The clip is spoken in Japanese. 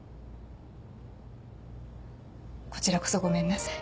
こちらこそごめんなさい。